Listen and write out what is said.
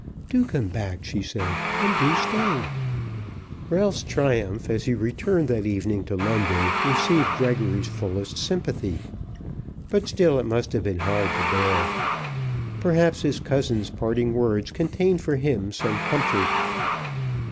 "Do come back," she said. "And do stay." Ralph's triumph as he returned that evening to London received Gregory's fullest sympathy; but still it must have been hard to bear. Perhaps his cousin's parting words contained for him some comfort.